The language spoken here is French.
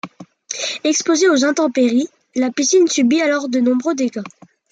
Exposée aux intempéries, la piscine subit alors de nombreux dégâts.